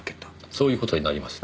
そういう事になりますねぇ。